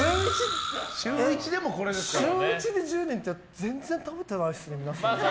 週１で１０人って全然食べてないですね、皆さん。